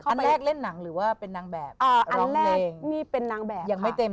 อันแรกเล่นหนังหรือว่าไปนางแบบ